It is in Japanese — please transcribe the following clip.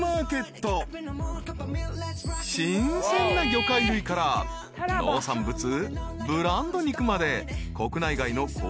［新鮮な魚介類から農産物ブランド肉まで］